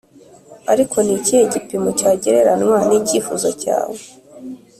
ariko ni ikihe gipimo cyagereranywa n'icyifuzo cyawe?